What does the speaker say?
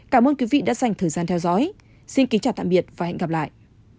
cảm ơn quý vị đã dành thời gian theo dõi xin kính chào tạm biệt và hẹn gặp lại